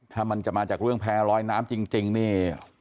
ถ้ามันจะมาจากเรื่องแพร่ลอยน้ำจริงนี่